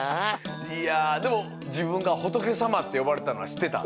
いやでも自分が仏さまって呼ばれてたのはしってた？